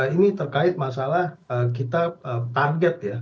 ini terkait masalah kita target ya